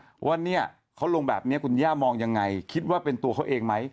เพราะว่าเนี่ยเขาลงแบบนี้คุณย่ามองยังไงคิดว่าเป็นตัวเขาเองไหม